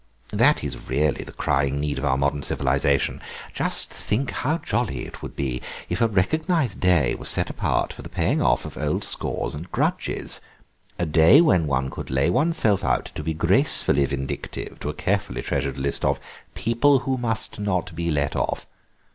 That is really the crying need of our modern civilisation. Just think how jolly it would be if a recognised day were set apart for the paying off of old scores and grudges, a day when one could lay oneself out to be gracefully vindictive to a carefully treasured list of 'people who must not be let off.